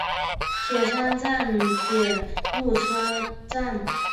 饭山站铁路车站。